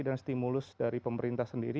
dan stimulus dari pemerintah sendiri